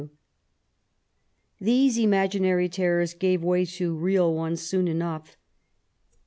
These imaginary terrors gave way to real ones soon enough.